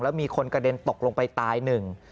แล้วมีคนกระเด็นตกลงไปตายหนึ่ง